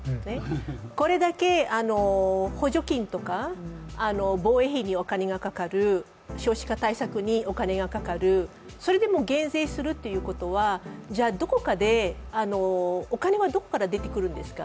これだけ補助金とか防衛費にお金がかかる少子化対策にお金がかかる、それでも減税するということは、じゃあ、どこかで、お金はどこから出てくるんですか？